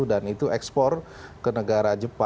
dan itu ekspor ke negara jalan lainnya ya